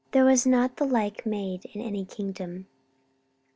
There was not the like made in any kingdom.